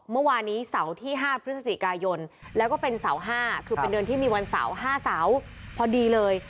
เมื่อวานนี้เสาร์ที่๕พฤศจิกายนแล้วก็เป็นเสา๕คือเป็นเดือนที่มีวันเสาร์๕เสาร์พอดีเลย